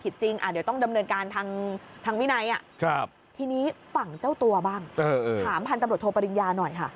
จริงเดี๋ยวต้องดำเนินการทางวินัยทีนี้ฝั่งเจ้าตัวบ้างถามพันธุ์ตำรวจโทปริญญาหน่อยค่ะ